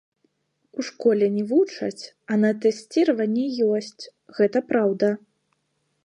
У школе не вучаць, а на тэсціраванні ёсць, гэта праўда.